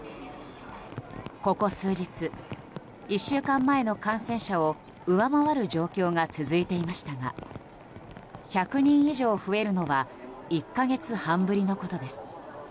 ここ数日、１週間前の感染者を上回る状況が続いていましたが１００人以上増えるのは１か月半ぶりのことです。